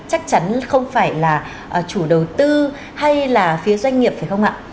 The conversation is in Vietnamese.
chắc chắn không phải là chủ đầu tư hay là phía doanh nghiệp phải không ạ